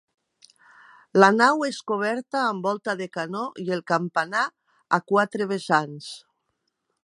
La nau és coberta amb volta de canó i el campanar, a quatre vessants.